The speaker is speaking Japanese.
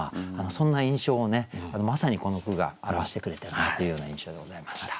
そんな印象をまさにこの句が表してくれてるなというような印象でございました。